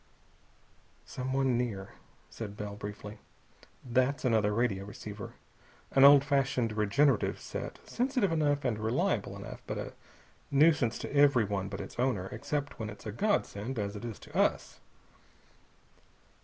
"Someone near," said Bell briefly. "That's another radio receiver, an old fashioned regenerative set, sensitive enough and reliable enough, but a nuisance to everyone but its owner except when it's a godsend, as it is to us."